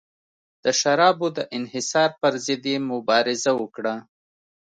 د شرابو د انحصار پرضد یې مبارزه وکړه.